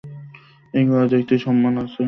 এই কলেজের একটি সম্মান আছে।